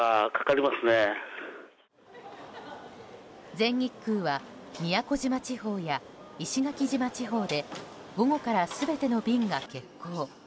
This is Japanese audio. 全日空は宮古島地方や石垣島地方で午後から全ての便が欠航。